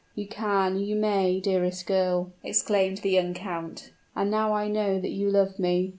"You can you may, dearest girl!" exclaimed the young count. "And now I know that you love me!